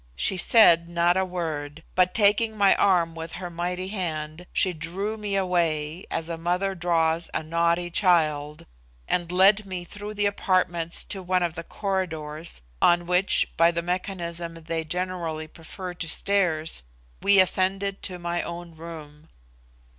She said not a word, but, taking my arm with her mighty hand, she drew me away, as a mother draws a naughty child, and led me through the apartments to one of the corridors, on which, by the mechanism they generally prefer to stairs, we ascended to my own room.